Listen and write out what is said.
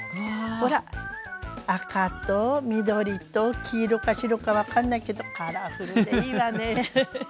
ほら赤と緑と黄色か白か分かんないけどカラフルでいいわね。